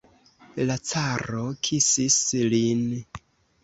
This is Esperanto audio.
La caro kisis lin.